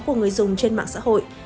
của người dùng trên mạng xã hội